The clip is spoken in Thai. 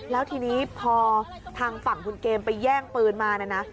แล้วทีนี้พอทางฝั่งคุณเกมไปแย่งปืนมานะนะ